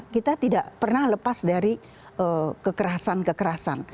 kita tidak pernah lepas dari kekerasan kekerasan